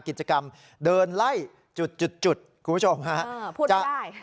กิจกรรมเดินไล่จุดคุณผู้ชมฮะ